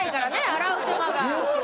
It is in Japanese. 洗う手間が。